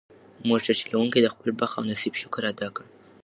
موټر چلونکي د خپل بخت او نصیب شکر ادا کړ.